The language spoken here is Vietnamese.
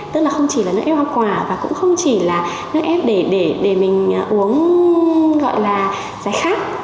tức là không chỉ là nước ép hoa quả và cũng không chỉ là nước ép để mình uống gọi là giải khát